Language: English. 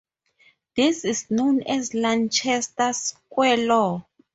This is known as Lanchester's square law.